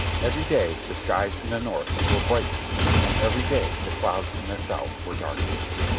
Every day the skies in the North were bright ening, and every day the clouds in the South were darkening.